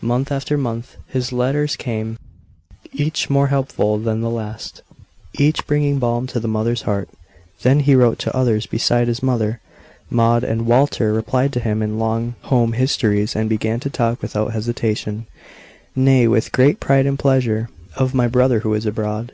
Month after month his letters came, each more hopeful than the last, each bringing balm to the mother's heart. Then he wrote to others beside his mother: Maud and Walter replied to him in long home histories; and began to talk without hesitation nay, with great pride and pleasure "of my brother who is abroad."